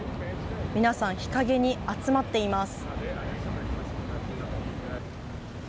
皆さん、日陰に集まっています。